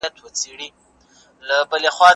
مطالعه باید د ذوق پر بنسټ وي.